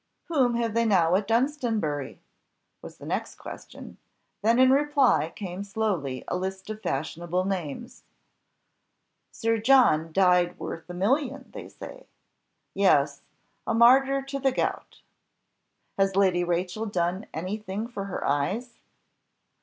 "Whom have they now at Dunstanbury?" was the next question. Then in reply came slowly a list of fashionable names. "Sir John died worth a million, they say." "Yes, a martyr to the gout." "Has Lady Rachel done any thing for her eyes?"